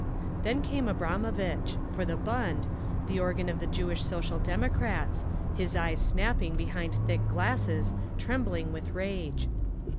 Then came Abramovitch, for the Bund, the organ of the Jewish Social Democrats—his eyes snapping behind thick glasses, trembling with rage.